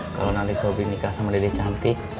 kawan ani sobri nikah sama dedek cantik